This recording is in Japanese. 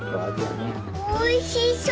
おいしそう！